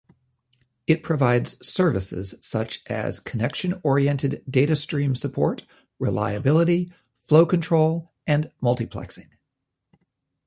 It provides services such as connection-oriented data stream support, reliability, flow control, and multiplexing.